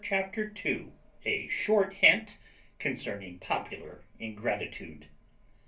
CHAPTER TWO A SHORT HINT CONCERNING POPULAR INGRATITUDE.